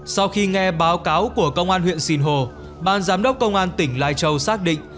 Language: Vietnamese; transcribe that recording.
sau khi nghe báo cáo của công an huyện sinh hồ ban giám đốc công an tỉnh lai châu xác định